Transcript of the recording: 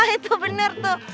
itu bener tuh